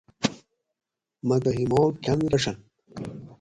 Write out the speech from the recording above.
مہ تہ ہِیماگ کۤھن رۤڄھنت